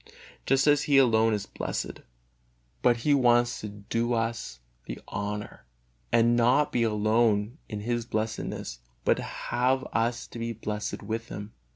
Just as He alone is blessed, but He wants to do us the honor and not be alone in His blessedness, but have us to be blessed with Him.